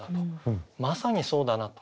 まさにそうだなと。